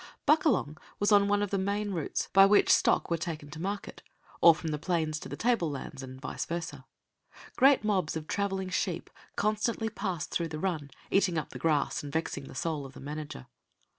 Buckalong was on one of the main routes by which stock were taken to market, or from the plains to the tablelands, and vice versa. Great mobs of travelling sheep constantly passed through the run, eating up the grass and vexing the soul of the manager.